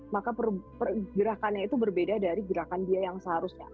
maka pergerakannya itu berbeda dari gerakan dia yang seharusnya